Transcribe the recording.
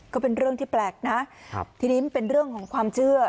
ก็เป็นเรื่องที่แปลกนะทีนี้มันเป็นเรื่องของความเชื่อ